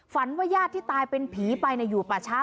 ว่าญาติที่ตายเป็นผีไปอยู่ป่าช้า